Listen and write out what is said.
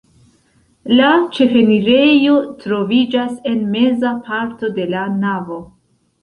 La ĉefenirejo troviĝas en meza parto de la navo.